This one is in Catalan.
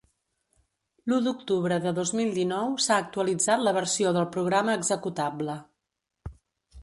L'u d'octubre de dos mil dinou s'ha actualitzat la versió del programa executable.